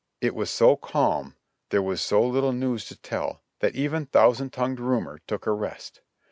It was so calm, there was so little news to tell, that even thou sand tongued Rumor took a rest.